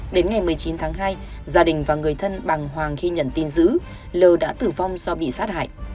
đến ngày một mươi chín tháng hai gia đình và người thân bàng hoàng khi nhận tin giữ l l đã tử vong do bị sát hại